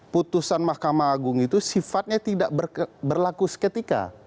putusan mahkamah agung itu sifatnya tidak berlaku seketika